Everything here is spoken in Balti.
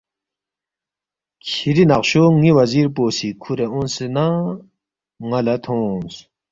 کِھری نقشو ن٘ی وزیر پو سی کھُورے اونگسے ن٘ا لہ تھونگس